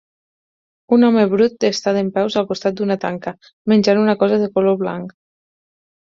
Un home brut està dempeus al costat d'una tanca, menjant una cosa de color blanc.